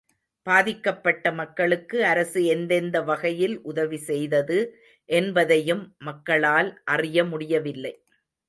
பாதிக்கப்பட்ட மக்களுக்கு அரசு எந்தெந்த வகையில் உதவி செய்தது என்பதையும் மக்களால் அறிய முடியவில்லை.